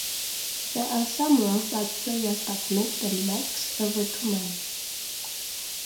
There are some rostered players that make the max every two months.